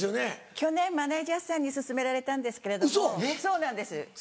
去年マネジャーさんに勧められたんですけれども。